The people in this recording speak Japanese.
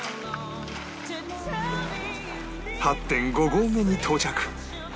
８．５ 合目に到着